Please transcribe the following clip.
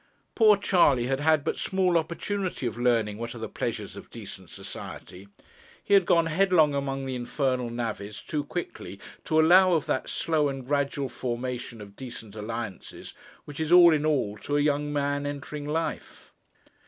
Poor Charley had had but small opportunity of learning what are the pleasures of decent society. He had gone headlong among the infernal navvies too quickly to allow of that slow and gradual formation of decent alliances which is all in all to a young man entering life.